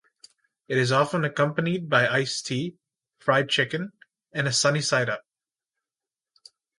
It is often accompanied by iced tea, fried chicken and a sunny-side-up.